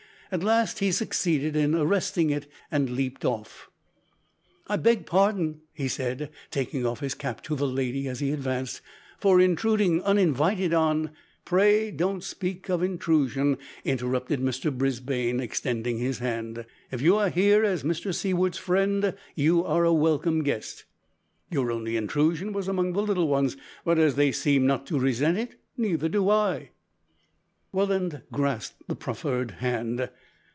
At last he succeeded in arresting it and leaped off. "I beg pardon," he said, taking off his cap to the lady as he advanced, "for intruding uninvited on " "Pray don't speak of intrusion," interrupted Mr Brisbane, extending his hand; "if you are here as Mr Seaward's friend you are a welcome guest. Your only intrusion was among the little ones, but as they seem not to resent it neither do I." Welland grasped the proffered hand.